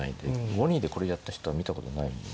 ５二でこれやった人は見たことないんで。